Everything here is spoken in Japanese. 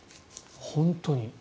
本当に。